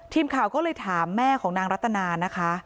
ทีมข่าวก็เลยถามแม่ของนางรัตนานะคะ